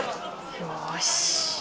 よし。